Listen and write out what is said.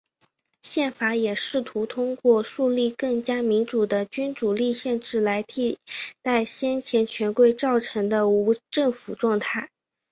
宪法也试图通过树立更加民主的君主立宪制来替代先前权贵造成的无政府状态。